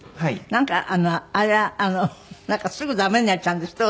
なんかあれはすぐ駄目になっちゃうんですって？